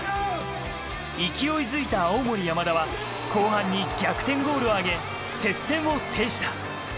勢いづいた青森山田は後半に逆転ゴールを挙げ接戦を制した。